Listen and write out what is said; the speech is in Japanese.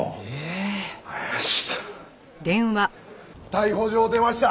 逮捕状出ました！